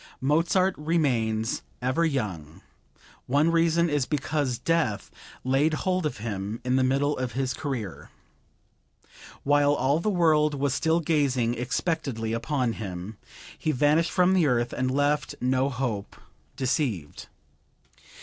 Mozart remains ever young; one reason is because death laid hold of him in the middle of his career. While all the world was still gazing expectantly upon him, he vanished from the earth and left no hope deceived.